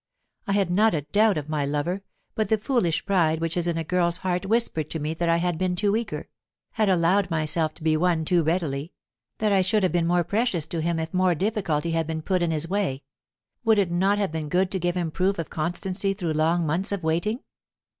I had not a doubt of my lover, but the foolish pride which is in a girl's heart whispered to me that I had been too eager had allowed myself to be won too readily; that I should have been more precious to him if more difficulty had been put in his way. Would it not have been good to give him proof of constancy through long months of waiting?